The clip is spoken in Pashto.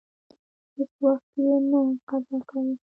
هیڅ وخت یې نه قضا کاوه.